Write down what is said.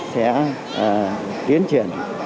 sẽ tiến triển